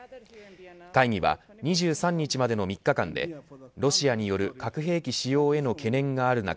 会議は２３日までの３日間でロシアによる核兵器使用への懸念がある中